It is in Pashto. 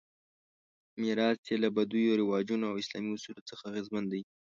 میراث یې له بدوي رواجونو او اسلامي اصولو څخه اغېزمن دی.